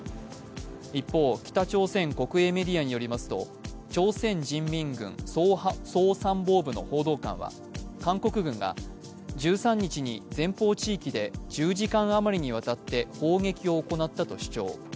一方北朝鮮国営メディアによりますと朝鮮人民軍総参謀部の報道官は韓国軍が１３日に前方地域で１０時間余りにわたって砲撃を行ったと主張。